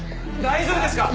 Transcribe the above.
大丈夫ですか？